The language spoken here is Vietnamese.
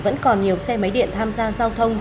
vẫn còn nhiều xe máy điện tham gia giao thông